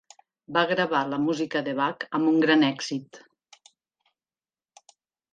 Va gravar la música de Bach amb un gran èxit.